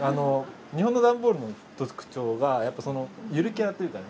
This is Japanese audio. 日本の段ボールの特徴がやっぱそのゆるキャラっていうかね。